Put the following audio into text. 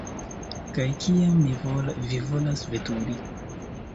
Kaj kiam vi volas veturi?